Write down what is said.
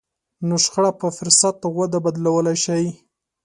نو شخړه په فرصت او وده بدلولای شئ.